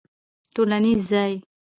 ټولنیز ځان